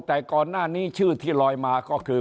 แต่ก่อนหน้านี้ชื่อที่ลอยมาก็คือ